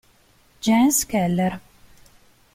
Jens Keller